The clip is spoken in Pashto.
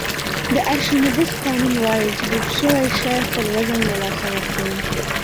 د ارشمیدس قانون وایي چې ډوب شوی شی خپل وزن له لاسه ورکوي.